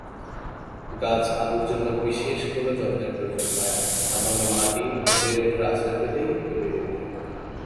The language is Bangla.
গাছ আলুর জন্য বিশেষ কোনো যত্নের প্রয়োজন হয়না; সামান্য মাটি ও বেড়ে ওঠার আশ্রয় পেলেই এটি বেড়ে ওঠে।